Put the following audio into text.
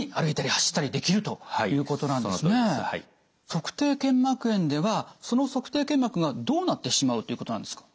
足底腱膜炎ではその足底腱膜がどうなってしまうということなんですか？